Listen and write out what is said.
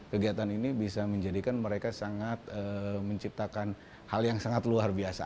kegiatan ini bisa menjadikan mereka sangat menciptakan hal yang sangat luar biasa